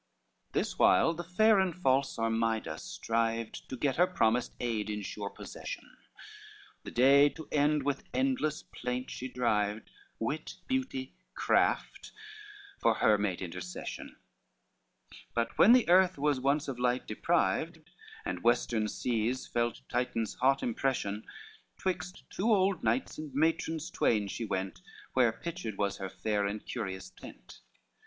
LX This while, the fair and false Armida strived To get her promised aid in sure possession, The day to end, with endless plaint she derived; Wit, beauty, craft for her made intercession: But when the earth was once of light deprived, And western seas felt Titan's hot impression, 'Twixt two old knights, and matrons twain she went, Where pitched was her fair and curious tent.